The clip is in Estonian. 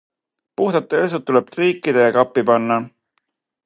Puhtad pesud tuleb triikida ja kappi panna.